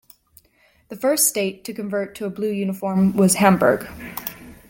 The first state to convert to a blue uniform was Hamburg.